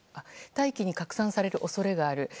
大気に拡散される恐れがある。